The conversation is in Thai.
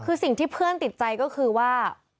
คือสิ่งที่เพื่อนติดใจก็คือว่า